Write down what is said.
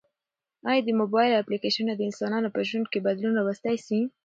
ایا د موبایل اپلیکیشنونه د انسانانو په ژوند کې بدلون راوستی؟